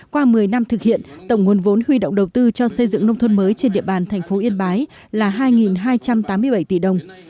qua một mươi năm thực hiện tổng nguồn vốn huy động đầu tư cho xây dựng nông thôn mới trên địa bàn thành phố yên bái là hai hai trăm tám mươi bảy tỷ đồng